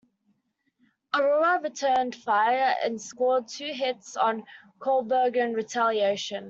"Aurora" returned fire and scored two hits on "Kolberg" in retaliation.